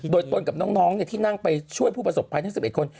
โดยตนกับน้องที่นั่งไปช่วยผู้ประสบภัยทั้ง๑๑คน